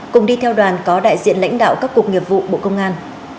cùng đi theo đoàn có đại diện lãnh đạo các cục nghiệp vụ bộ công an